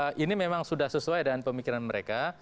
saya kira ini memang sudah sesuai dengan pemikiran mereka